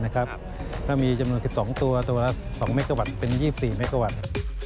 ถ้ามีจำนวน๑๒ตัวตัวละ๒เมกะวัตต์เป็น๒๔เมกาวัตต์